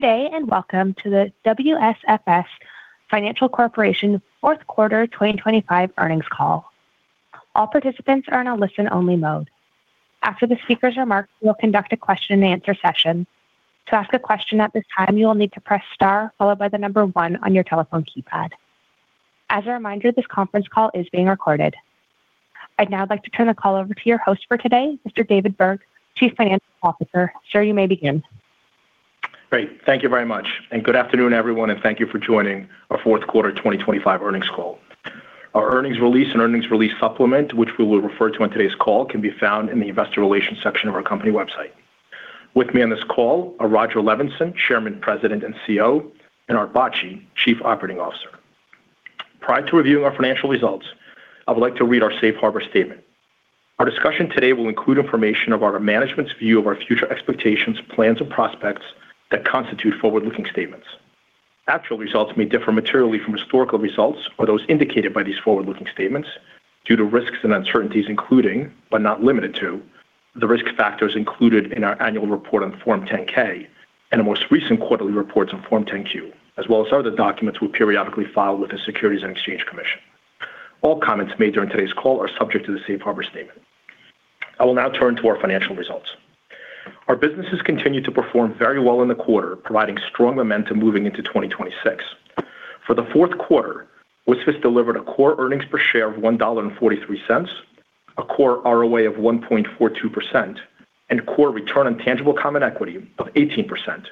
Good day and welcome to the WSFS Financial Corporation fourth quarter 2025 earnings call. All participants are in a listen-only mode. After the speaker's remarks, we'll conduct a question-and-answer session. To ask a question at this time, you will need to press star followed by the number one on your telephone keypad. As a reminder, this conference call is being recorded. I'd now like to turn the call over to your host for today, Mr. David Burg, Chief Financial Officer. Sir, you may begin. Great. Thank you very much, and good afternoon, everyone, and thank you for joining our fourth quarter 2025 earnings call. Our earnings release and earnings release supplement, which we will refer to on today's call, can be found in the investor relations section of our company website. With me on this call are Rodger Levenson, Chairman, President, and CEO, and Art Bacci, Chief Operating Officer. Prior to reviewing our financial results, I would like to read our safe harbor statement. Our discussion today will include information of our management's view of our future expectations, plans, and prospects that constitute forward-looking statements. Actual results may differ materially from historical results or those indicated by these forward-looking statements due to risks and uncertainties, including, but not limited to, the risk factors included in our annual report on Form 10-K and the most recent quarterly reports on Form 10-Q, as well as other documents we periodically file with the Securities and Exchange Commission. All comments made during today's call are subject to the Safe Harbor statement. I will now turn to our financial results. Our businesses continued to perform very well in the quarter, providing strong momentum moving into 2026. For the fourth quarter, WSFS delivered a core earnings per share of $1.43, a core ROA of 1.42%, and core return on tangible common equity of 18%,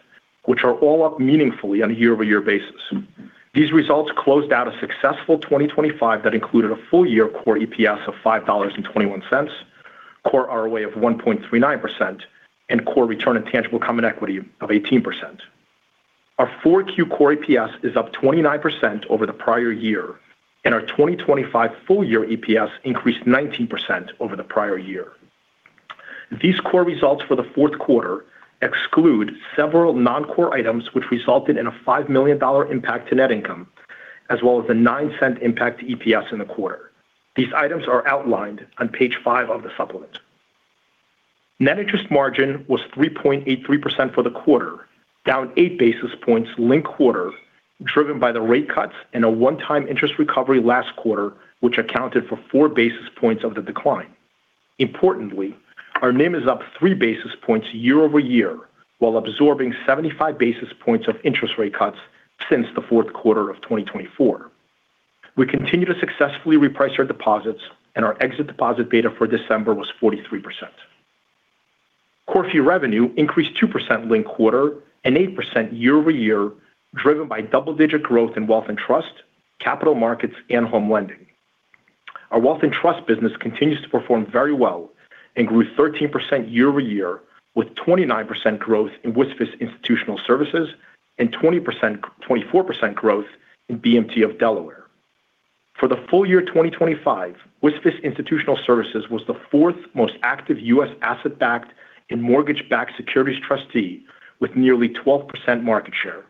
which are all up meaningfully on a year-over-year basis. These results closed out a successful 2025 that included a full-year core EPS of $5.21, core ROA of 1.39%, and core return on tangible common equity of 18%. Our 4Q core EPS is up 29% over the prior year, and our 2025 full-year EPS increased 19% over the prior year. These core results for the fourth quarter exclude several non-core items, which resulted in a $5 million impact to net income, as well as a $0.09 impact to EPS in the quarter. These items are outlined on page 5 of the supplement. Net interest margin was 3.83% for the quarter, down 8 basis points linked quarter, driven by the rate cuts and a one-time interest recovery last quarter, which accounted for 4 basis points of the decline. Importantly, our NIM is up three basis points year-over-year, while absorbing 75 basis points of interest rate cuts since the fourth quarter of 2024. We continue to successfully reprice our deposits, and our exit deposit beta for December was 43%. Core fee revenue increased 2% linked quarter and 8% year-over-year, driven by double-digit growth in Wealth and Trust, capital markets, and home lending. Our Wealth and Trust business continues to perform very well and grew 13% year-over-year, with 29% growth in WSFS Institutional Services and 24% growth in BMT of Delaware. For the full year 2025, WSFS Institutional Services was the fourth most active U.S. asset-backed and mortgage-backed securities trustee, with nearly 12% market share,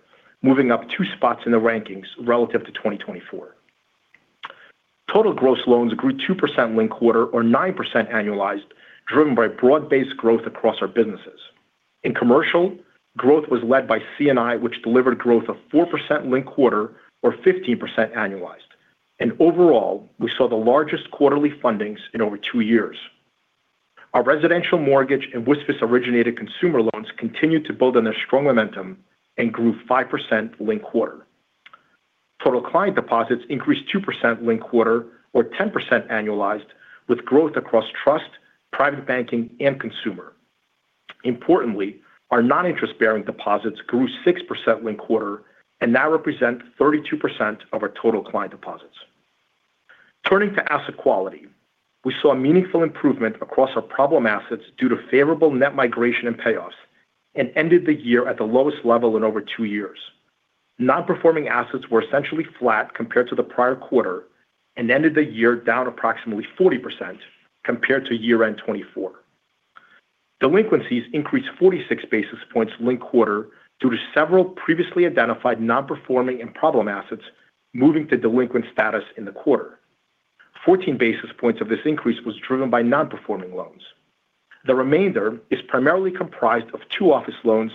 moving up 2 spots in the rankings relative to 2024. Total gross loans grew 2% linked quarter, or 9% annualized, driven by broad-based growth across our businesses. In commercial, growth was led by C&I, which delivered growth of 4% linked quarter or 15% annualized. Overall, we saw the largest quarterly fundings in over two years. Our residential mortgage and WSFS-originated consumer loans continued to build on their strong momentum and grew 5% linked quarter. Total client deposits increased 2% linked quarter or 10% annualized, with growth across trust, private banking, and consumer. Importantly, our non-interest-bearing deposits grew 6% linked quarter and now represent 32% of our total client deposits. Turning to asset quality, we saw a meaningful improvement across our problem assets due to favorable net migration and payoffs, and ended the year at the lowest level in over two years. Non-performing assets were essentially flat compared to the prior quarter and ended the year down approximately 40% compared to year-end 2024. Delinquencies increased 46 basis points linked quarter due to several previously identified non-performing and problem assets moving to delinquent status in the quarter. 14 basis points of this increase was driven by non-performing loans. The remainder is primarily comprised of 2 office loans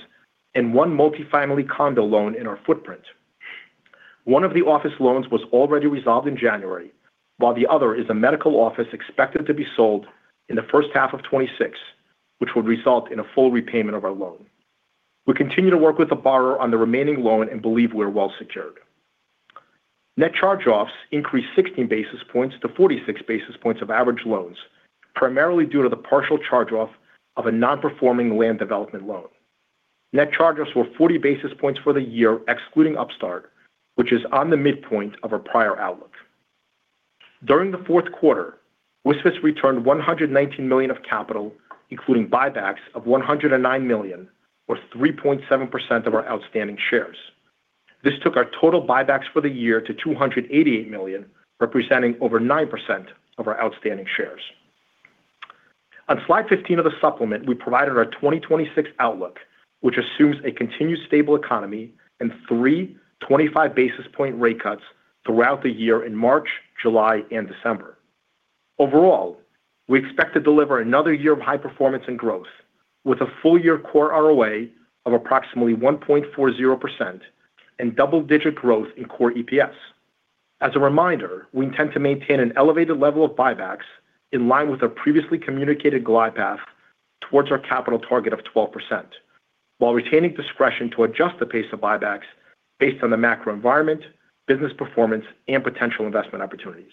and 1 multifamily condo loan in our footprint. One of the office loans was already resolved in January, while the other is a medical office expected to be sold in the first half of 2026, which would result in a full repayment of our loan. We continue to work with the borrower on the remaining loan and believe we're well secured. Net charge-offs increased 16 basis points to 46 basis points of average loans, primarily due to the partial charge-off of a non-performing land development loan. Net charge-offs were 40 basis points for the year, excluding Upstart, which is on the midpoint of our prior outlook. During the fourth quarter, WSFS returned $119 million of capital, including buybacks of $109 million, or 3.7% of our outstanding shares. This took our total buybacks for the year to $288 million, representing over 9% of our outstanding shares. On slide 15 of the supplement, we provided our 2026 outlook, which assumes a continued stable economy and three 25 basis point rate cuts throughout the year in March, July, and December. Overall, we expect to deliver another year of high performance and growth, with a full-year core ROA of approximately 1.40% and double-digit growth in core EPS. As a reminder, we intend to maintain an elevated level of buybacks in line with our previously communicated glide path towards our capital target of 12%, while retaining discretion to adjust the pace of buybacks based on the macro environment, business performance, and potential investment opportunities.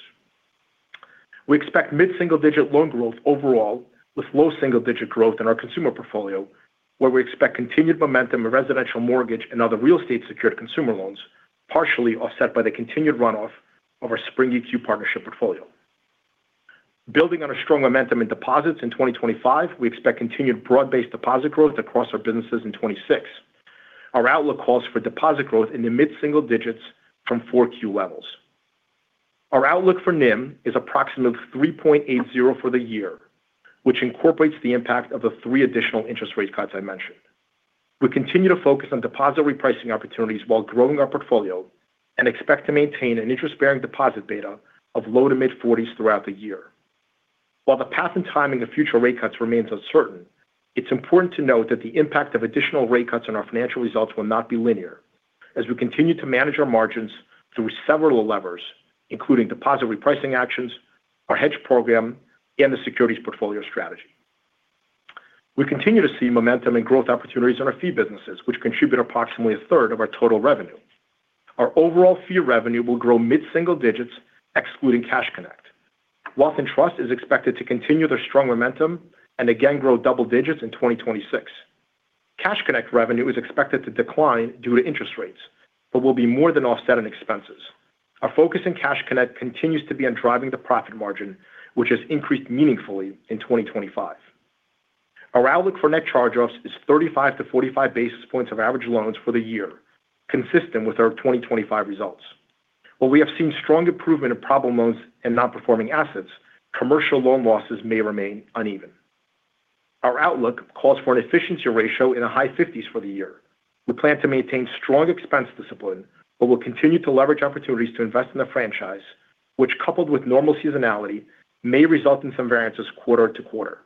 We expect mid-single-digit loan growth overall, with low single-digit growth in our consumer portfolio, where we expect continued momentum in residential mortgage and other real estate-secured consumer loans, partially offset by the continued runoff of our Spring EQ partnership portfolio. Building on a strong momentum in deposits in 2025, we expect continued broad-based deposit growth across our businesses in 2026. Our outlook calls for deposit growth in the mid-single digits from 4Q levels. Our outlook for NIM is approximately 3.80 for the year, which incorporates the impact of the 3 additional interest rate cuts I mentioned. We continue to focus on deposit repricing opportunities while growing our portfolio and expect to maintain an interest-bearing deposit beta of low- to mid-40s throughout the year. While the path and timing of future rate cuts remains uncertain, it's important to note that the impact of additional rate cuts on our financial results will not be linear, as we continue to manage our margins through several levers, including deposit repricing actions, our hedge program, and the securities portfolio strategy. We continue to see momentum and growth opportunities in our fee businesses, which contribute approximately a third of our total revenue. Our overall fee revenue will grow mid-single digits, excluding Cash Connect. Wealth and Trust is expected to continue their strong momentum and again grow double digits in 2026. Cash Connect revenue is expected to decline due to interest rates, but will be more than offset in expenses. Our focus in Cash Connect continues to be on driving the profit margin, which has increased meaningfully in 2025. Our outlook for net charge-offs is 35-45 basis points of average loans for the year, consistent with our 2025 results. While we have seen strong improvement in problem loans and non-performing assets, commercial loan losses may remain uneven. Our outlook calls for an efficiency ratio in the high fifties for the year. We plan to maintain strong expense discipline, but will continue to leverage opportunities to invest in the franchise, which, coupled with normal seasonality, may result in some variances quarter to quarter.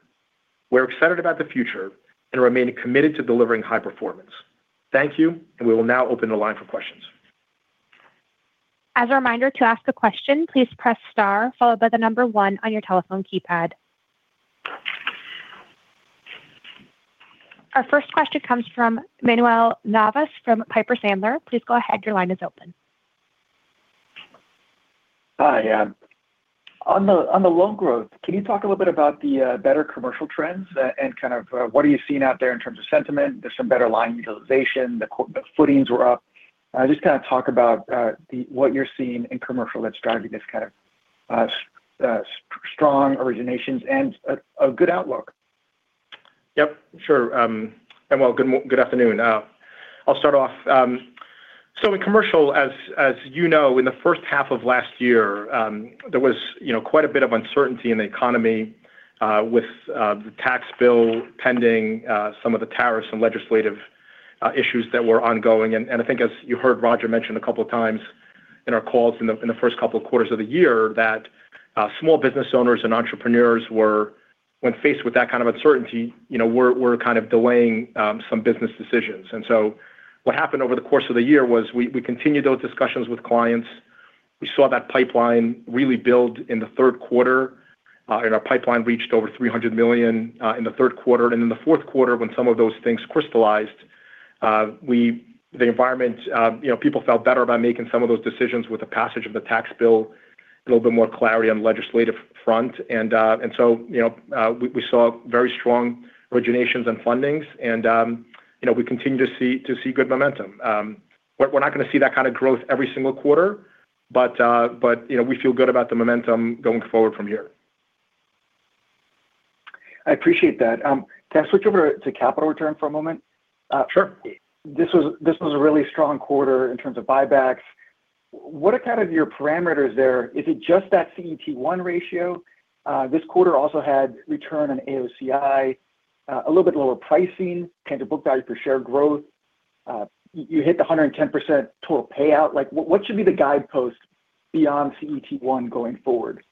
We're excited about the future and remain committed to delivering high performance. Thank you, and we will now open the line for questions. As a reminder, to ask a question, please press star followed by the number one on your telephone keypad. Our first question comes from Manuel Navas from Piper Sandler. Please go ahead. Your line is open. Hi. Yeah. On the loan growth, can you talk a little bit about the better commercial trends and kind of what are you seeing out there in terms of sentiment? There's some better line utilization. The footings were up. Just kind of talk about what you're seeing in commercial that's driving this kind of strong originations and a good outlook. Yep, sure. And well, good afternoon. I'll start off. So in commercial, as you know, in the first half of last year, there was, you know, quite a bit of uncertainty in the economy, with the tax bill pending, some of the tariffs and legislative issues that were ongoing. And I think as you heard Rodger mention a couple of times in our calls in the first couple of quarters of the year, that small business owners and entrepreneurs were, when faced with that kind of uncertainty, you know, were kind of delaying some business decisions. And so what happened over the course of the year was we continued those discussions with clients. We saw that pipeline really build in the third quarter, and our pipeline reached over $300 million in the third quarter. And in the fourth quarter, when some of those things crystallized, the environment, you know, people felt better about making some of those decisions with the passage of the tax bill, a little bit more clarity on the legislative front. And so, you know, we saw very strong originations and fundings and, you know, we continue to see good momentum. We're not going to see that kind of growth every single quarter, but, you know, we feel good about the momentum going forward from here. I appreciate that. Can I switch over to capital return for a moment? Uh, sure. This was, this was a really strong quarter in terms of buybacks. What are kind of your parameters there? Is it just that CET1 ratio? This quarter also had return on AOCI, a little bit lower pricing, kind of book value per share growth. You hit the 110% total payout. Like, what should be the guidepost beyond CET1 going forward?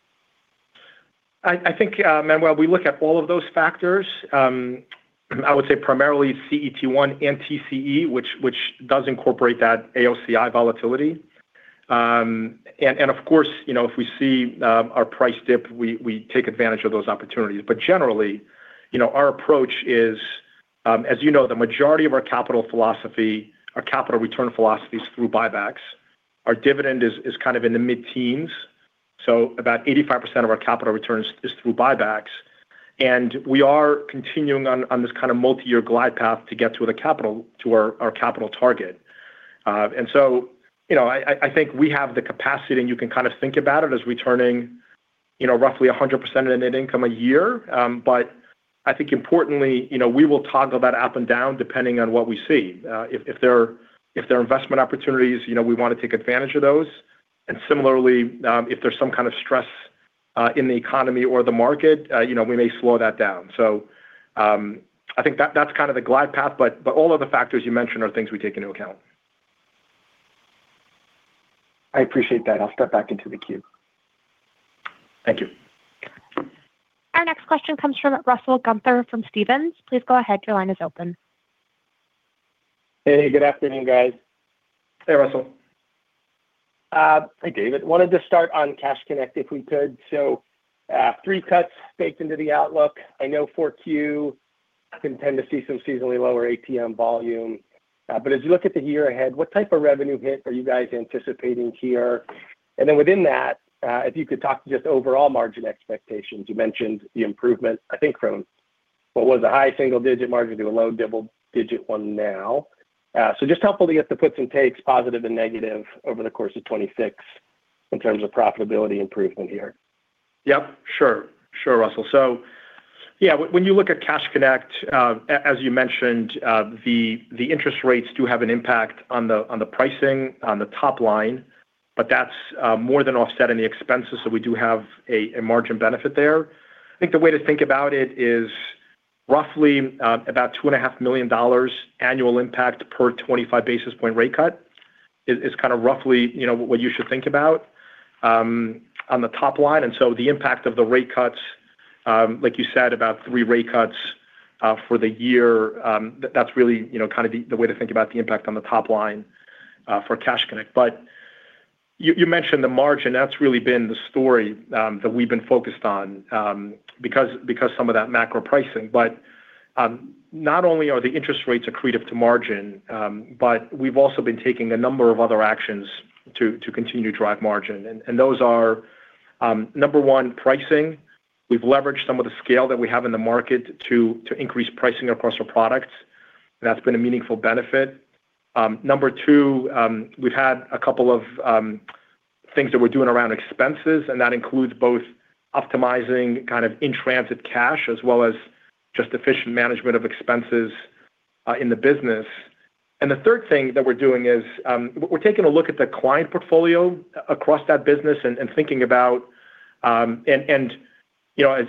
I think, Manuel, we look at all of those factors. I would say primarily CET1 and TCE, which does incorporate that AOCI volatility. And of course, you know, if we see our price dip, we take advantage of those opportunities. But generally, you know, our approach is, as you know, the majority of our capital philosophy, our capital return philosophy is through buybacks. Our dividend is kind of in the mid-teens, so about 85% of our capital returns is through buybacks, and we are continuing on this kind of multi-year glide path to get to the capital, to our capital target. And so, you know, I think we have the capacity, and you can kind of think about it as returning, you know, roughly 100% of the net income a year. But I think importantly, you know, we will toggle that up and down, depending on what we see. If there are investment opportunities, you know, we want to take advantage of those. And similarly, if there's some kind of stress in the economy or the market, you know, we may slow that down. So, I think that's kind of the glide path, but all of the factors you mentioned are things we take into account. I appreciate that. I'll step back into the queue. Thank you. Our next question comes from Russell Gunther from Stephens. Please go ahead. Your line is open. Hey, good afternoon, guys. Hey, Russell. Hi, David. Wanted to start on Cash Connect, if we could. So, three cuts baked into the outlook. I know 4Q can tend to see some seasonally lower ATM volume. But as you look at the year ahead, what type of revenue hit are you guys anticipating here? And then within that, if you could talk to just overall margin expectations. You mentioned the improvement, I think from what was a high single-digit margin to a low double-digit one now. So just helpful to get the puts and takes positive and negative over the course of 2026 in terms of profitability improvement here. Yep, sure. Sure, Russell. So yeah, when you look at Cash Connect, as you mentioned, the interest rates do have an impact on the pricing on the top line, but that's more than offset in the expenses, so we do have a margin benefit there. I think the way to think about it is roughly about $2.5 million annual impact per 25 basis point rate cut is kind of roughly, you know, what you should think about on the top line. And so the impact of the rate cuts, like you said, about 3 rate cuts for the year, that's really, you know, kind of the way to think about the impact on the top line for Cash Connect. But you mentioned the margin. That's really been the story that we've been focused on, because some of that macro pricing. But, not only are the interest rates accretive to margin, but we've also been taking a number of other actions to continue to drive margin. And those are, number one, pricing. We've leveraged some of the scale that we have in the market to increase pricing across our products, and that's been a meaningful benefit. Number two, we've had a couple of things that we're doing around expenses, and that includes both optimizing kind of in transit cash as well as just efficient management of expenses in the business. The third thing that we're doing is we're taking a look at the client portfolio across that business and thinking about, you know, as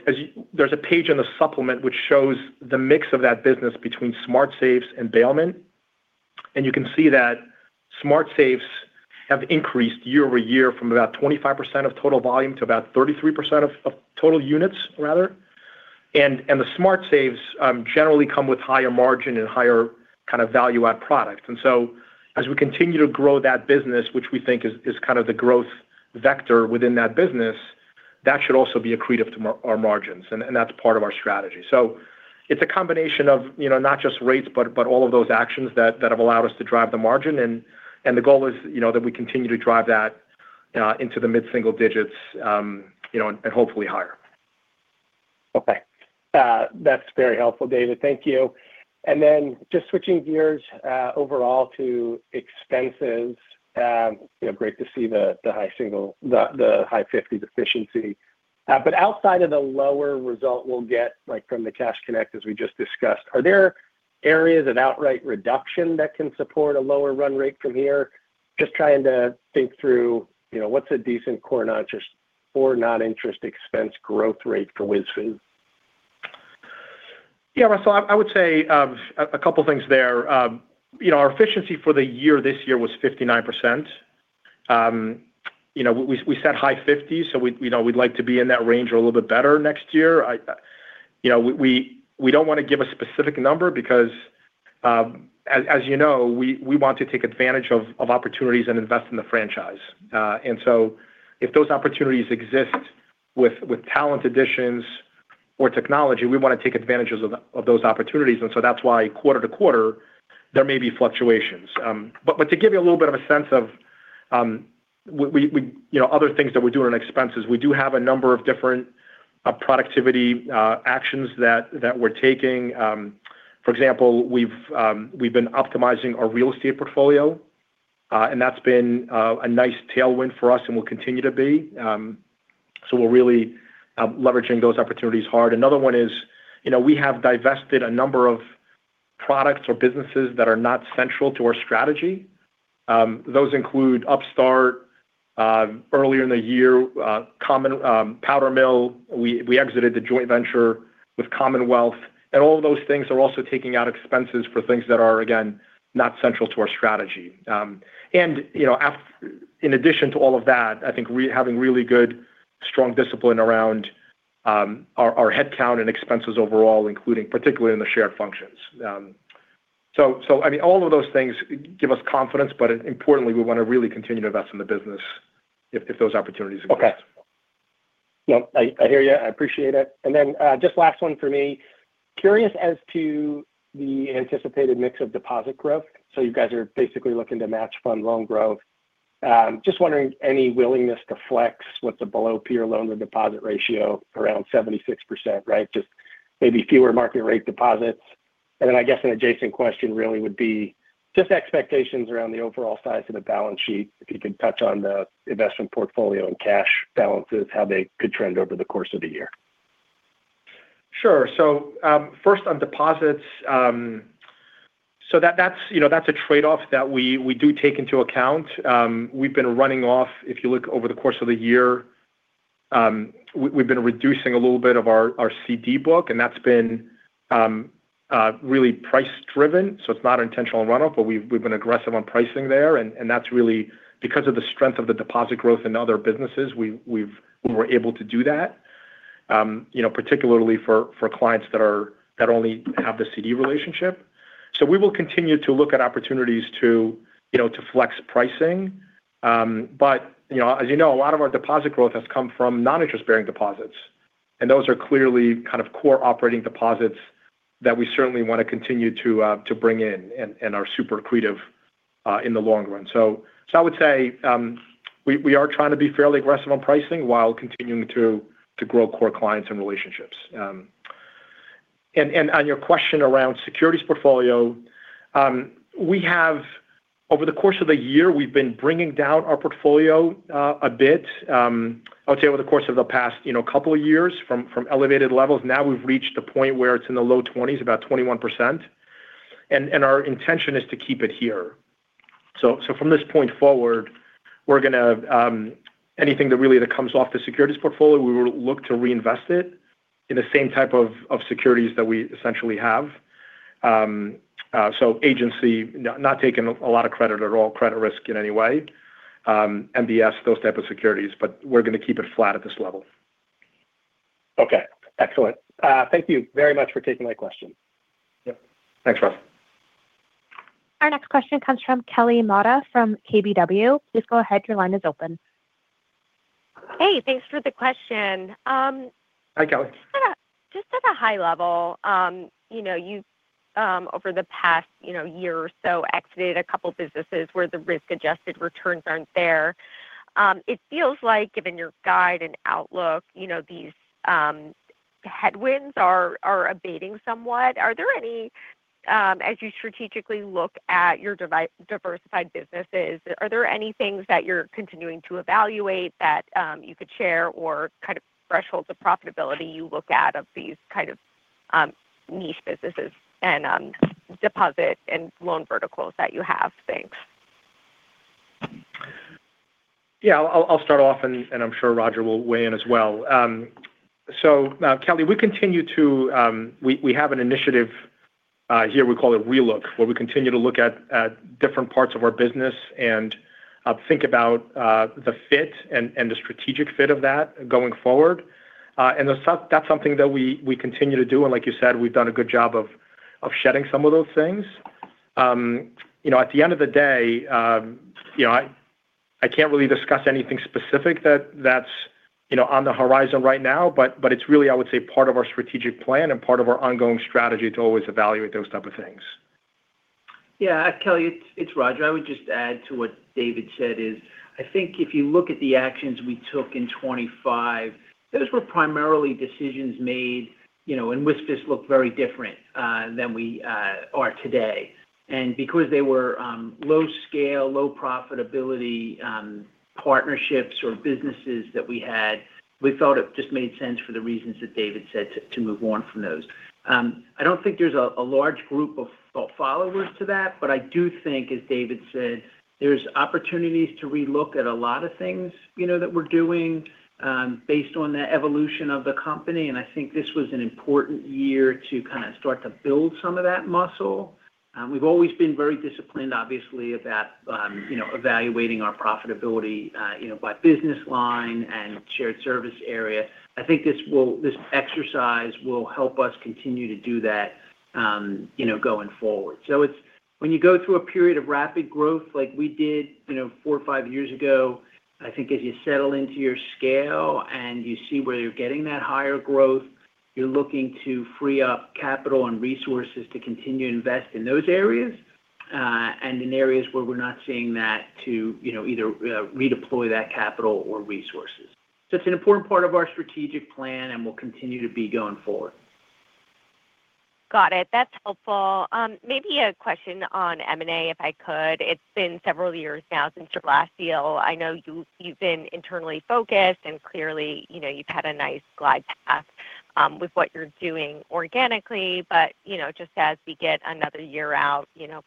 there's a page in the supplement which shows the mix of that business between smart safes and bailment. And you can see that smart safes have increased year-over-year from about 25% of total volume to about 33% of total units, rather. And the smart safes generally come with higher margin and higher kind of value-add product. And so as we continue to grow that business, which we think is kind of the growth vector within that business, that should also be accretive to our margins, and that's part of our strategy. It's a combination of, you know, not just rates, but all of those actions that have allowed us to drive the margin. The goal is, you know, that we continue to drive that into the mid-single digits, you know, and hopefully higher. Okay. That's very helpful, David. Thank you. Then just switching gears, overall to expenses, you know, great to see the, the high single-- the, the high fifties efficiency. But outside of the lower result we'll get, like, from the Cash Connect, as we just discussed, are there areas of outright reduction that can support a lower run rate from here? Just trying to think through, you know, what's a decent core, not just-- or non-interest expense growth rate for WSFS? Yeah, Russell, I would say a couple of things there. You know, our efficiency for the year this year was 59%. You know, we set high 50s, so we, you know, we'd like to be in that range or a little bit better next year. You know, we don't want to give a specific number because, as you know, we want to take advantage of opportunities and invest in the franchise. And so if those opportunities exist with talent additions or technology, we want to take advantages of those opportunities. And so that's why quarter to quarter, there may be fluctuations. But to give you a little bit of a sense of, we-- you know, other things that we do on expenses, we do have a number of different productivity actions that we're taking. For example, we've been optimizing our real estate portfolio, and that's been a nice tailwind for us and will continue to be. So we're really leveraging those opportunities hard. Another one is, you know, we have divested a number of products or businesses that are not central to our strategy. Those include Upstart earlier in the year, Commonwealth, Powdermill, we exited the joint venture with Commonwealth, and all those things are also taking out expenses for things that are, again, not central to our strategy. And, you know, in addition to all of that, I think having really good, strong discipline around our headcount and expenses overall, including particularly in the shared functions. So, I mean, all of those things give us confidence, but importantly, we want to really continue to invest in the business if those opportunities exist. Okay. Yep, I hear you. I appreciate it. And then just last one for me. Curious as to the anticipated mix of deposit growth. So you guys are basically looking to match fund loan growth. Just wondering, any willingness to flex with the below peer loan or deposit ratio around 76%, right? Just maybe fewer market rate deposits. And then I guess an adjacent question really would be just expectations around the overall size of the balance sheet, if you could touch on the investment portfolio and cash balances, how they could trend over the course of the year. Sure. So, first on deposits, so that's, you know, that's a trade-off that we do take into account. We've been running off, if you look over the course of the year. We've been reducing a little bit of our CD book, and that's been really price driven, so it's not an intentional runoff, but we've been aggressive on pricing there, and that's really because of the strength of the deposit growth in other businesses, we were able to do that. You know, particularly for clients that only have the CD relationship. So we will continue to look at opportunities to, you know, to flex pricing. But, you know, as you know, a lot of our deposit growth has come from non-interest-bearing deposits, and those are clearly kind of core operating deposits that we certainly want to continue to bring in and are super accretive in the long run. So I would say we are trying to be fairly aggressive on pricing while continuing to grow core clients and relationships. And on your question around securities portfolio, we have over the course of the year, we've been bringing down our portfolio a bit. I would say over the course of the past, you know, couple of years from elevated levels, now we've reached a point where it's in the low 20s, about 21%, and our intention is to keep it here. So, from this point forward, we're going to anything that really comes off the securities portfolio, we will look to reinvest it in the same type of securities that we essentially have. So, agency, not taking a lot of credit at all, credit risk in any way, MBS, those type of securities, but we're going to keep it flat at this level. Okay. Excellent. Thank you very much for taking my question. Yep. Thanks, Russ. Our next question comes from Kelly Motta from KBW. Please go ahead. Your line is open. Hey, thanks for the question. Hi, Kelly. Just at a high level, you know, you, over the past, you know, year or so, exited a couple of businesses where the risk-adjusted returns aren't there. It feels like, given your guide and outlook, you know, these headwinds are abating somewhat. Are there any, as you strategically look at your diversified businesses, are there any things that you're continuing to evaluate that you could share or kind of thresholds of profitability you look at of these kind of niche businesses and deposit and loan verticals that you have? Thanks. Yeah. I'll start off, and I'm sure Roger will weigh in as well. So, Kelly, we continue to, we have an initiative here we call it Relook, where we continue to look at different parts of our business and think about the fit and the strategic fit of that going forward. And that's something that we continue to do, and like you said, we've done a good job of shedding some of those things. You know, at the end of the day, you know, I can't really discuss anything specific that's on the horizon right now, but it's really, I would say, part of our strategic plan and part of our ongoing strategy to always evaluate those type of things. Yeah. Kelly, it's Rodger. I would just add to what David said is, I think if you look at the actions we took in 2025, those were primarily decisions made, you know, in which this looked very different than we are today. And because they were low scale, low profitability partnerships or businesses that we had, we thought it just made sense for the reasons that David said to move on from those. I don't think there's a large group of followers to that, but I do think, as David said, there's opportunities to relook at a lot of things, you know, that we're doing based on the evolution of the company, and I think this was an important year to kind of start to build some of that muscle. We've always been very disciplined, obviously, about, you know, evaluating our profitability, you know, by business line and shared service area. I think this will, this exercise will help us continue to do that, you know, going forward. So it's, when you go through a period of rapid growth like we did, you know, four or five years ago, I think as you settle into your scale and you see where you're getting that higher growth, you're looking to free up capital and resources to continue to invest in those areas, and in areas where we're not seeing that to, you know, either, redeploy that capital or resources. So it's an important part of our strategic plan and will continue to be going forward. Got it. That's helpful. Maybe a question on M&A, if I could. It's been several years now since your last deal. I know you've, you've been internally focused and clearly, you know, you've had a nice glide path, with what you're doing organically, but, you know, just as we get another year out, you know,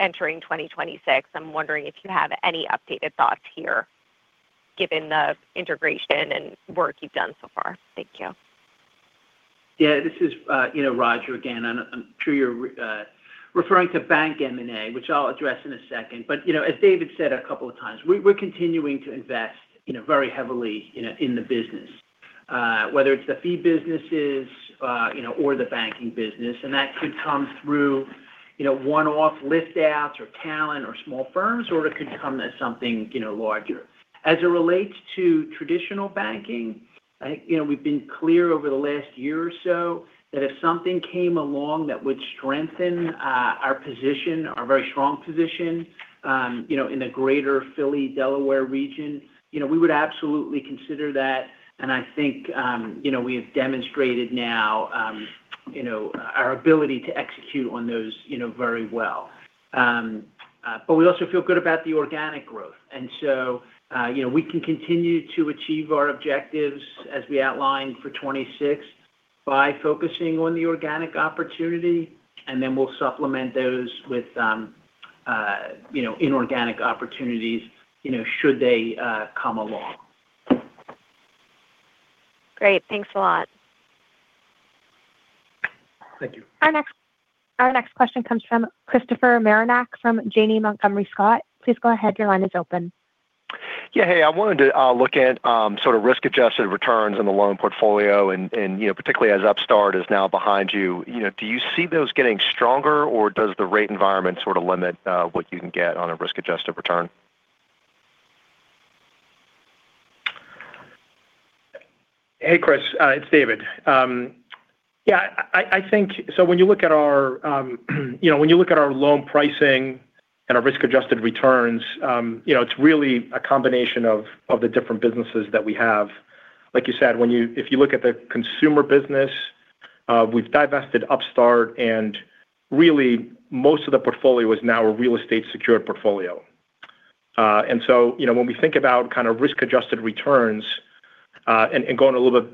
entering 2026, I'm wondering if you have any updated thoughts here, given the integration and work you've done so far. Thank you. Yeah. This is, you know, Rodger, again. I'm, I'm sure you're referring to bank M&A, which I'll address in a second. But, you know, as David said a couple of times, we-we're continuing to invest, you know, very heavily, you know, in the business, whether it's the fee businesses, you know, or the banking business, and that could come through, you know, one-off lift-outs or talent or small firms, or it could come as something, you know, larger. As it relates to traditional banking, I, you know, we've been clear over the last year or so that if something came along that would strengthen our position, our very strong position, you know, in the greater Philly, Delaware region, you know, we would absolutely consider that, and I think, you know, we have demonstrated now our ability to execute on those, you know, very well. But we also feel good about the organic growth, and so, you know, we can continue to achieve our objectives as we outlined for 2026 by focusing on the organic opportunity, and then we'll supplement those with, you know, inorganic opportunities, you know, should they come along? Great. Thanks a lot. Thank you. Our next question comes from Christopher Marinac from Janney Montgomery Scott. Please go ahead. Your line is open. Yeah, hey, I wanted to look at sort of risk-adjusted returns in the loan portfolio, and you know, particularly as Upstart is now behind you. You know, do you see those getting stronger, or does the rate environment sort of limit what you can get on a risk-adjusted return? Hey, Chris, it's David. Yeah, I think so when you look at our loan pricing and our risk-adjusted returns, you know, it's really a combination of the different businesses that we have. Like you said, if you look at the consumer business, we've divested Upstart, and really, most of the portfolio is now a real estate secured portfolio. And so, you know, when we think about kind of risk-adjusted returns, and going a little bit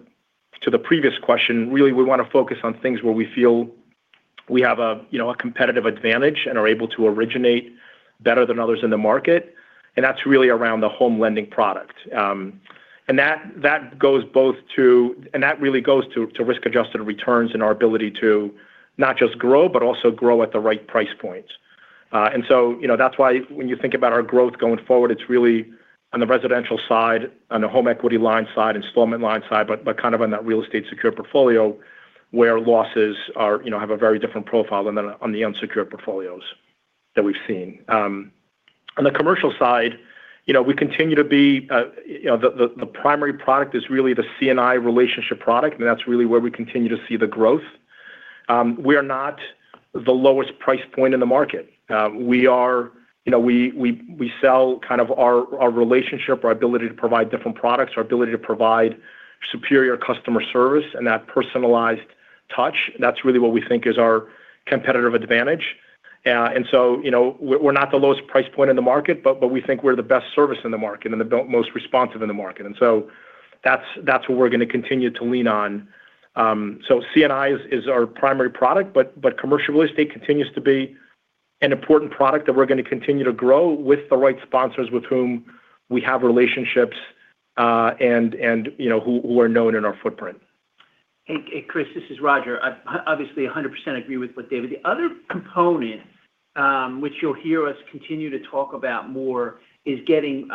to the previous question, really, we want to focus on things where we feel we have a competitive advantage and are able to originate better than others in the market, and that's really around the home lending product. That really goes to risk-adjusted returns and our ability to not just grow, but also grow at the right price points. And so, you know, that's why when you think about our growth going forward, it's really on the residential side, on the home equity line side, installment line side, but kind of on that real estate secured portfolio, where losses are, you know, have a very different profile than on the unsecured portfolios that we've seen. On the commercial side, you know, we continue to be, you know, the primary product is really the C&I relationship product, and that's really where we continue to see the growth. We are not the lowest price point in the market. We are, you know, we sell kind of our relationship, our ability to provide different products, our ability to provide superior customer service and that personalized touch. That's really what we think is our competitive advantage. And so, you know, we're not the lowest price point in the market, but we think we're the best service in the market and the best, most responsive in the market. And so that's what we're going to continue to lean on. So C&I is our primary product, but commercial real estate continues to be an important product that we're going to continue to grow with the right sponsors with whom we have relationships, and you know who are known in our footprint. Hey, Chris, this is Roger. I obviously 100% agree with what David. The other component, which you'll hear us continue to talk about more, is getting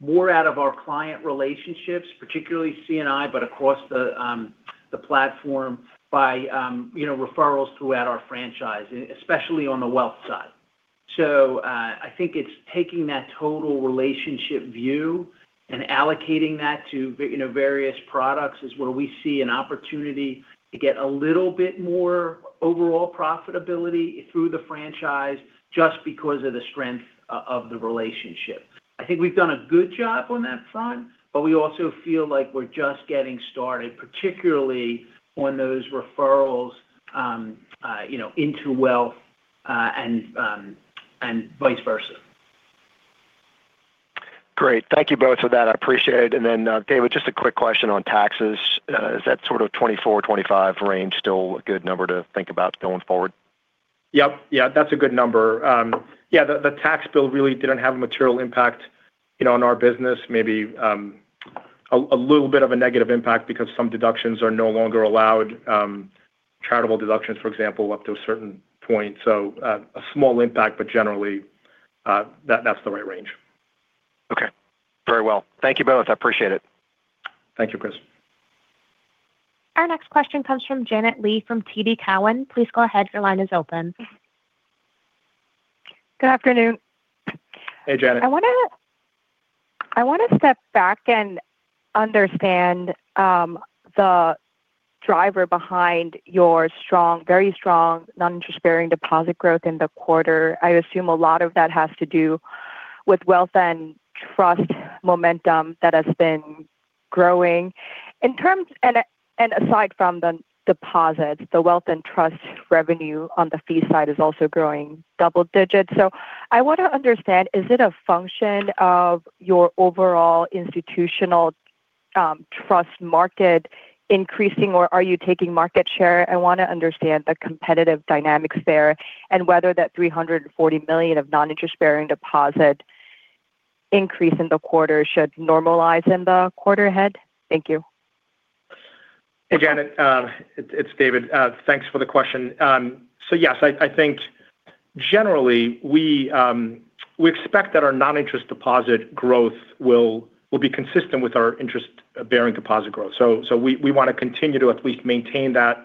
more out of our client relationships, particularly C&I, but across the platform by, you know, referrals throughout our franchise, especially on the wealth side. So, I think it's taking that total relationship view and allocating that to, you know, various products is where we see an opportunity to get a little bit more overall profitability through the franchise just because of the strength of the relationship. I think we've done a good job on that front, but we also feel like we're just getting started, particularly on those referrals, you know, into wealth, and vice versa. Great. Thank you both for that. I appreciate it. And then, David, just a quick question on taxes. Is that sort of 24-25 range still a good number to think about going forward? Yep. Yeah, that's a good number. Yeah, the tax bill really didn't have a material impact, you know, on our business. Maybe a little bit of a negative impact because some deductions are no longer allowed, charitable deductions, for example, up to a certain point. So, a small impact, but generally, that's the right range. Okay. Very well. Thank you both. I appreciate it. Thank you, Chris. Our next question comes from Janet Lee from TD Cowen. Please go ahead. Your line is open. Good afternoon. Hey, Janet. I wanna, I wanna step back and understand, the driver behind your strong, very strong non-interest-bearing deposit growth in the quarter. I assume a lot of that has to do with Wealth and Trust momentum that has been growing. In terms and, and aside from the deposits, the Wealth and Trust revenue on the fee side is also growing double digits. So I want to understand, is it a function of your overall institutional, trust market increasing, or are you taking market share? I want to understand the competitive dynamics there and whether that $340 million of non-interest-bearing deposit increase in the quarter should normalize in the quarter ahead. Thank you. Hey, Janet, it's David. Thanks for the question. So yes, I think generally, we expect that our non-interest deposit growth will be consistent with our interest-bearing deposit growth. So we want to continue to at least maintain that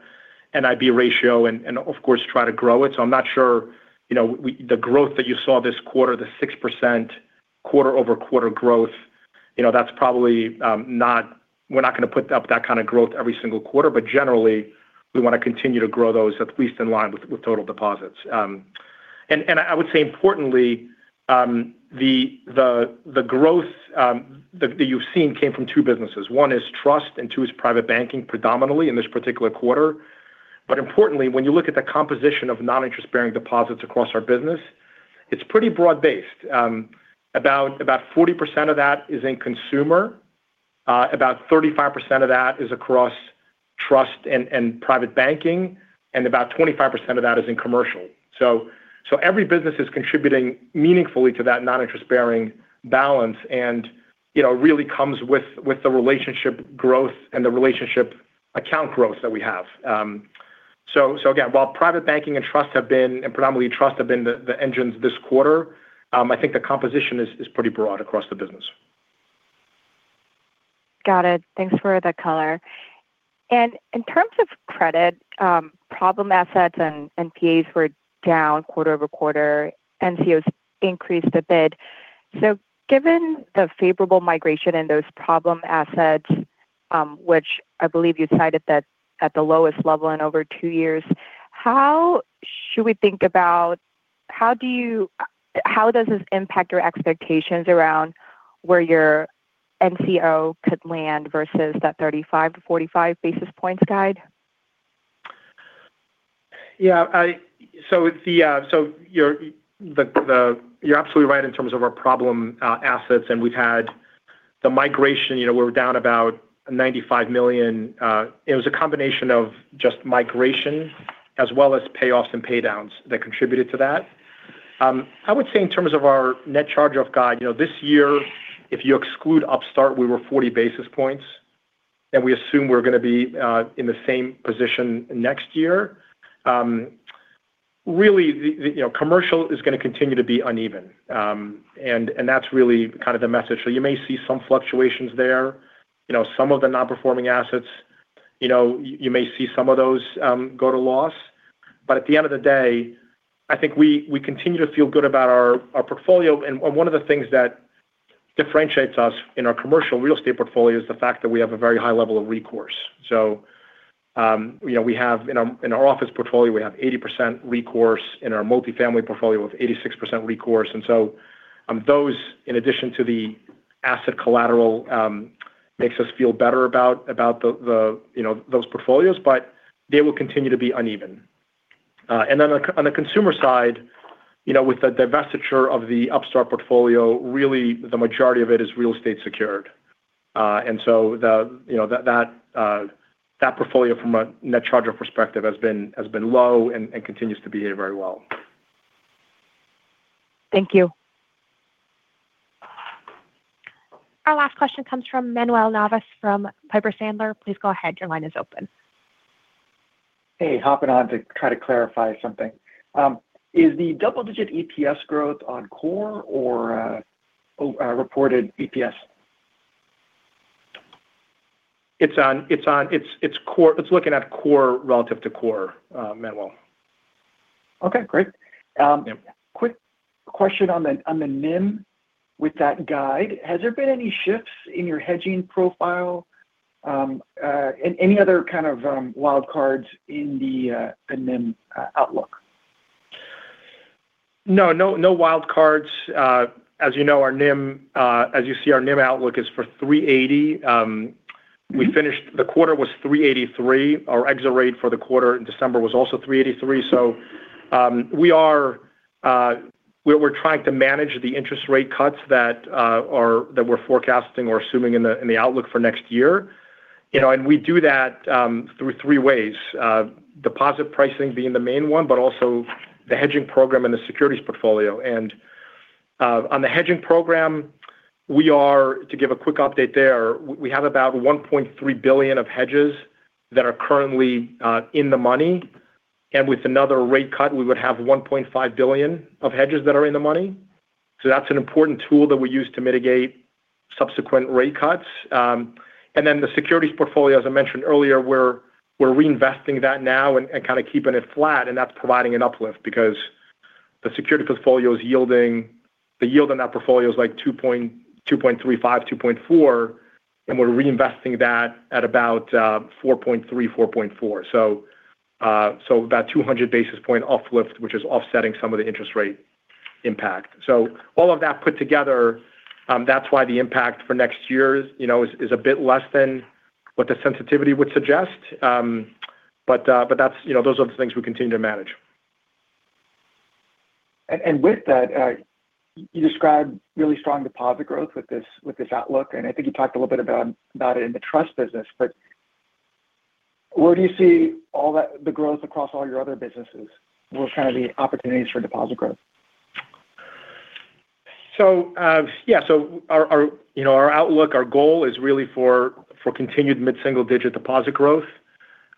NIB ratio and, of course, try to grow it. So I'm not sure, you know, the growth that you saw this quarter, the 6% quarter-over-quarter growth, you know, that's probably not. We're not going to put up that kind of growth every single quarter, but generally, we want to continue to grow those at least in line with total deposits. And I would say importantly, the growth that you've seen came from two businesses. One is trust, and two is private banking, predominantly in this particular quarter. But importantly, when you look at the composition of non-interest-bearing deposits across our business, it's pretty broad-based. About 40% of that is in consumer. About 35% of that is across trust and private banking, and about 25% of that is in commercial. So every business is contributing meaningfully to that non-interest-bearing balance, and, you know, really comes with the relationship growth and the relationship account growth that we have. So again, while private banking and trust have been, and predominantly trust have been the engines this quarter, I think the composition is pretty broad across the business. Got it. Thanks for the color. In terms of credit, problem assets and NPAs were down quarter-over-quarter, NCOs increased a bit. So given the favorable migration in those problem assets, which I believe you cited that at the lowest level in over two years, how does this impact your expectations around where your NCO could land versus that 35-45 basis points guide? Yeah, so you're the-- you're absolutely right in terms of our problem assets, and we've had the migration, you know, we're down about $95 million. It was a combination of just migration as well as payoffs and pay downs that contributed to that. I would say in terms of our net charge-off guide, you know, this year, if you exclude Upstart, we were 40 basis points, and we assume we're gonna be in the same position next year. Really, the commercial is gonna continue to be uneven. And that's really kind of the message. So you may see some fluctuations there. You know, some of the non-performing assets, you know, you may see some of those go to loss. But at the end of the day, I think we continue to feel good about our portfolio. And one of the things that differentiates us in our commercial real estate portfolio is the fact that we have a very high level of recourse. So, you know, we have in our office portfolio, we have 80% recourse, in our multifamily portfolio with 86% recourse. And so, those, in addition to the asset collateral, makes us feel better about the, you know, those portfolios, but they will continue to be uneven. And then on the consumer side, you know, with the divestiture of the Upstart portfolio, really, the majority of it is real estate secured. And so, you know, that portfolio, from a net charge-off perspective, has been low and continues to behave very well. Thank you. Our last question comes from Manuel Navas, from Piper Sandler. Please go ahead. Your line is open. Hey, hopping on to try to clarify something. Is the double-digit EPS growth on core or reported EPS? It's on, it's on, it's, it's core. It's looking at core relative to core, Manuel. Okay, great. Yeah. Quick question on the NIM with that guide. Has there been any shifts in your hedging profile, and any other kind of wild cards in the NIM outlook? No, no, no wild cards. As you know, our NIM, as you see, our NIM outlook is for 3.80%. We finished—the quarter was 3.83%. Our exit rate for the quarter in December was also 3.83%. So, we are, we're trying to manage the interest rate cuts that are—that we're forecasting or assuming in the, in the outlook for next year. You know, and we do that through three ways. Deposit pricing being the main one, but also the hedging program and the securities portfolio. And, on the hedging program, we are, to give a quick update there, we have about $1.3 billion of hedges that are currently in the money, and with another rate cut, we would have $1.5 billion of hedges that are in the money. So that's an important tool that we use to mitigate subsequent rate cuts. And then the securities portfolio, as I mentioned earlier, we're reinvesting that now and kind of keeping it flat, and that's providing an uplift because the securities portfolio is yielding. The yield on that portfolio is like 2.35-2.4, and we're reinvesting that at about 4.3-4.4. So about 200 basis point uplift, which is offsetting some of the interest rate impact. So all of that put together, that's why the impact for next year, you know, is a bit less than what the sensitivity would suggest. But that's, you know, those are the things we continue to manage. And with that, you described really strong deposit growth with this outlook, and I think you talked a little bit about it in the trust business, but where do you see all that, the growth across all your other businesses? What are kind of the opportunities for deposit growth? Yeah, so our outlook, our goal is really for continued mid-single-digit deposit growth.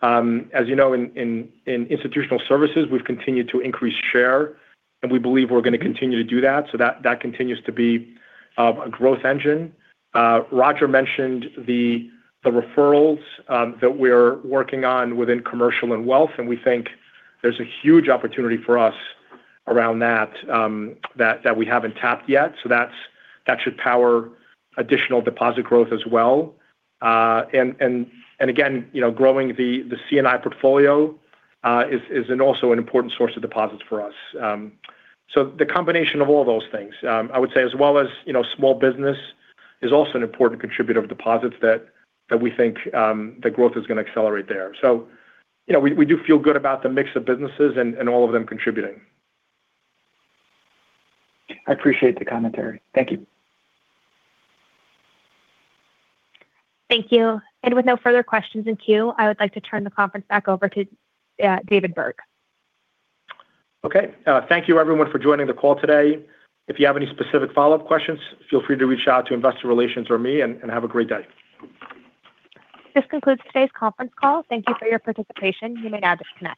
As you know, in institutional services, we've continued to increase share, and we believe we're gonna continue to do that. So that continues to be a growth engine. Rodger mentioned the referrals that we're working on within Commercial and Wealth, and we think there's a huge opportunity for us around that that we haven't tapped yet. So that should power additional deposit growth as well. And again, you know, growing the C&I portfolio is also an important source of deposits for us. So the combination of all those things, I would say, as well as, you know, small business is also an important contributor of deposits that, that we think, the growth is gonna accelerate there. So, you know, we, we do feel good about the mix of businesses and, and all of them contributing. I appreciate the commentary. Thank you. Thank you. With no further questions in queue, I would like to turn the conference back over to David Burg. Okay. Thank you everyone for joining the call today. If you have any specific follow-up questions, feel free to reach out to Investor Relations or me, and have a great day. This concludes today's conference call. Thank you for your participation. You may now disconnect.